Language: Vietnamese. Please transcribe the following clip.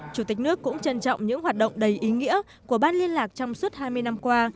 chủ tịch nước cũng trân trọng những hoạt động đầy ý nghĩa của ban liên lạc trong suốt hai mươi năm qua